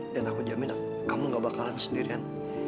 dan aku jamin kamu gak bakalan sendirian